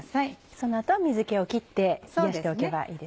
その後は水気を切って冷やしておけばいいですね。